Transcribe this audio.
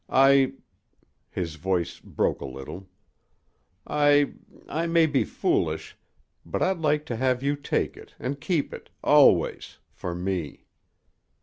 I " His voice broke a little. "I I may be foolish, but I'd like to have you take it, an' keep it always for me."